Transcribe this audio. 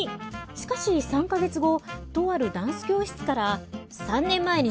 しかし３か月後とあるダンス教室からと連絡が。